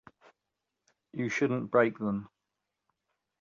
You shouldn't break them.